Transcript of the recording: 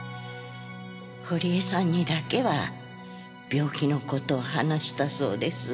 堀江さんにだけは病気のことを話したそうです。